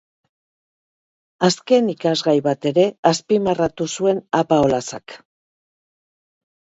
Azken ikasgai bat ere azpimarratu zuen Apaolazak.